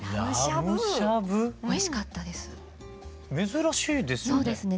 珍しいですよね？